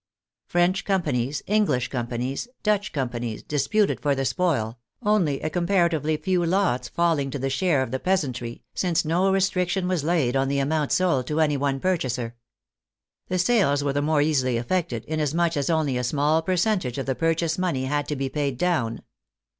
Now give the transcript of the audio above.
French companies, English companies, Dutch companies, disputed for the spoil, only a comparatively few lots falling to the share of the peas antry, since no restriction was laid on the amount sold to any one purchaser. The sales were the more easily effected, inasmuch as only a small percentage of the pur chase money had to be paid down.